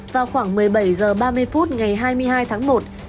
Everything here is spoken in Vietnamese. vào khoảng một mươi bảy h ba mươi phút ngày hai mươi hai tháng một